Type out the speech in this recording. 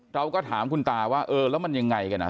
เราก็ถามคุณตาว่าเออแล้วมันยังไงกันอ่ะ